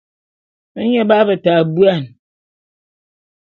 Nye b'abeta buan.